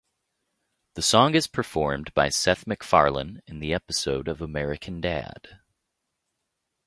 The song is performed by Seth Macfarlane in the episode of American Dad!